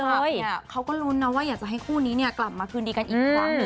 เพราะว่าแฟนคลับเนี่ยเขาก็ลุ้นนะว่าอยากจะให้คู่นี้เนี่ยกลับมาคืนดีกันอีกครั้งหนึ่ง